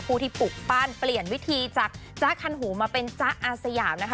ผู้ที่ปลูกปั้นเปลี่ยนวิธีจากจ๊ะคันหูมาเป็นจ๊ะอาสยามนะคะ